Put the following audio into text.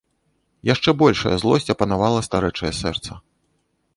Яшчэ большая злосць апанавала старэчае сэрца.